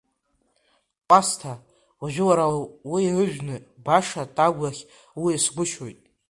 Кәасҭа, уажәы уара уи ыжәны баша Тагә иахь уиасгәышьоит.